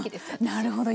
なるほど。